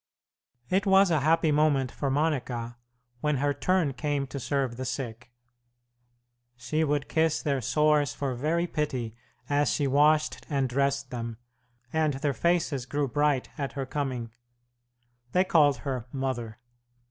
It was a happy moment for Monica when her turn came to serve the sick. She would kiss their sores for very pity as she washed and dressed them, and their faces grew bright at her coming. They called her "mother."